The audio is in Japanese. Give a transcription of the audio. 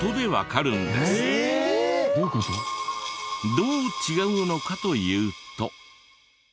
どう違うのかというと。